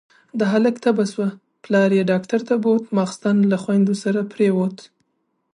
د هلک تبه شوه، پلار يې ډاکټر ته بوت، ماسختن له خويندو سره پرېووت.